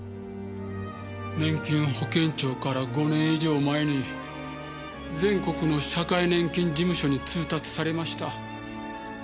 年金保険庁から５年以上前に全国の社会年金事務所に通達されました。